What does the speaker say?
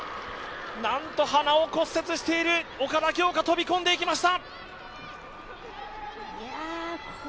なんと鼻を骨折している岡田恭佳飛び込んでいきました。